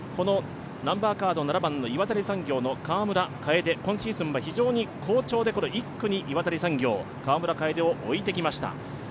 この岩谷産業の川村楓、今シーズンは非常に好調で、１区に岩谷産業、川村楓を置いてきました。